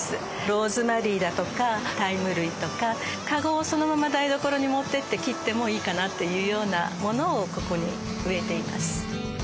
ローズマリーだとかタイム類とかカゴをそのまま台所に持っていって切ってもいいかなというようなものをここに植えています。